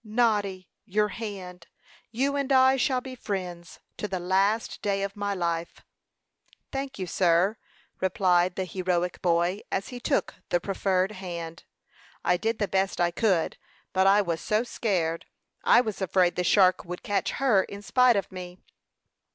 "Noddy, your hand! You and I shall be friends to the last day of my life." "Thank you, sir," replied the heroic boy, as he took the proffered hand. "I did the best I could; but I was so scared! I was afraid the shark would catch her in spite of me."